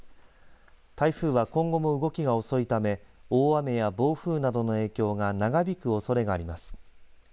台風は今後も動きが遅いため大雨や暴風などの影響が長引くおそれがあります。